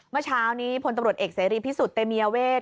เมื่อเช้านี้พลตำรวจเอกเสรีพิสุทธิเตมียเวท